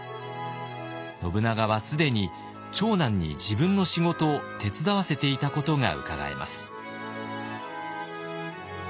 信長は既に長男に自分の仕事を手伝わせていたことがうかがえます。